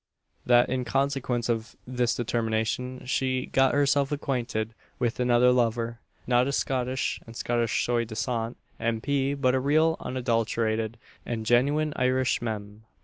That in consequence of this determination she "got herself acquainted" with another lover not a Scottish and sottish soi disant M. P., but a real, unadulterated, and genuine Irish Mem.